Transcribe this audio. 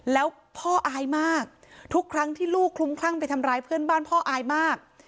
แล้วพ่ออายมากทุกครั้งที่ลูกคลุ้มคลั่งไปทำร้ายเพื่อนบ้านพ่ออายมาก